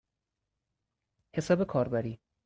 حساب کاربری